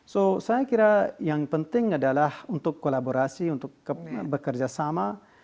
jadi saya kira yang penting adalah untuk kolaborasi untuk bekerja sama